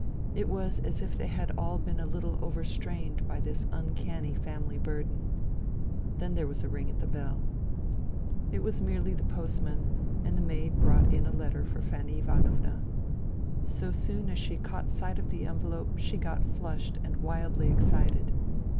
It was as if they had all been a little overstrained by this uncanny family burden. Then there was a ring at the bell. It was merely the postman, and the maid brought in a letter for Fanny Ivanovna. So soon as she caught sight of the envelope she got flushed and wildly excited.